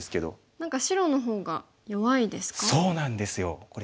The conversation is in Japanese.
何か白の方が弱いですか？